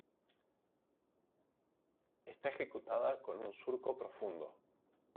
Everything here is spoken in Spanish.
Está ejecutada con un surco profundo.